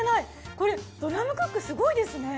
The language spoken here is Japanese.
これドラムクックすごいですね。